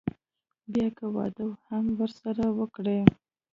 بيا که واده هم راسره وکړي.